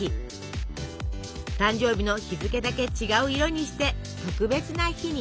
誕生日の日付だけ違う色にして特別な日に。